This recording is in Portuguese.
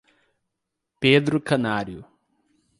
Pedro Canário